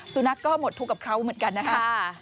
สุนัขก็หมดทุกข์กับเขาเหมือนกันนะคะ